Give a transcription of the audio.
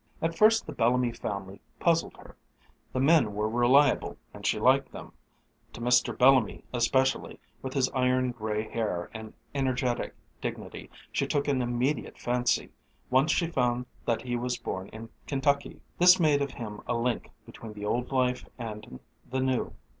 At first the Bellamy family puzzled her. The men were reliable and she liked them; to Mr. Bellamy especially, with his iron gray hair and energetic dignity, she took an immediate fancy, once she found that he was born in Kentucky; this made of him a link between the old life and the new.